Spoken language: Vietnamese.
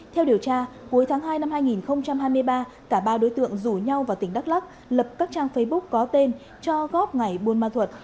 theo điều tra cuối tháng hai năm hai nghìn hai mươi ba cả ba đối tượng rủ nhau vào tỉnh đắk lắc lập các trang facebook có tên cho góp ngày buôn ma thuật